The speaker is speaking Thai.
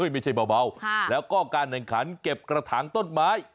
ไม่ใช่เบาแล้วก็การแข่งขันเก็บกระถางต้นไม้